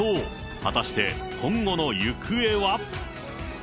果たして今後の行方は。